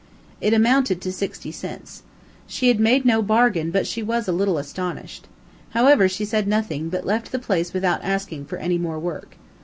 It amounted to sixty cents. She had made no bargain, but she was a little astonished. However, she said nothing, but left the place without asking for any more work.